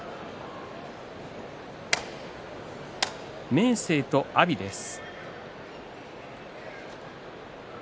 明生と阿炎です。